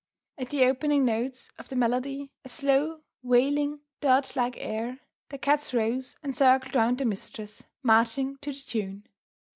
At the opening notes of the melody a slow, wailing, dirgelike air the cats rose, and circled round their mistress, marching to the tune.